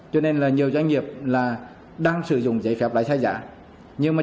cho nên là nhiều doanh nghiệp là đang sử dụng giấy phép lái xe giả